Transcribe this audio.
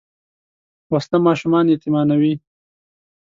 وسله ماشومان یتیمانوي